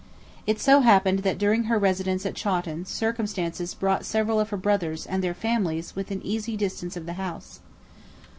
It so happened that during her residence at Chawton circumstances brought several of her brothers and their families within easy distance of the house.